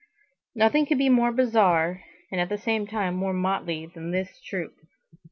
Nothing could be more bizarre and at the same time more motley than this troop.